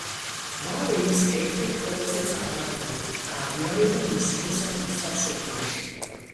მალე ის ერთ-ერთ ყველაზე წარმატებულ და აღიარებულ მუსიკოსად იქცა მსოფლიოში.